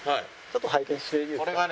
ちょっと拝見していいですか？